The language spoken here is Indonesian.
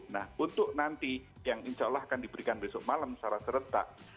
nah untuk nanti yang insya allah akan diberikan besok malam secara serentak